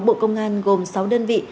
bộ công an gồm sáu đơn vị